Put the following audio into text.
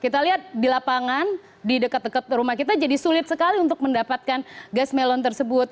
kita lihat di lapangan di dekat dekat rumah kita jadi sulit sekali untuk mendapatkan gas melon tersebut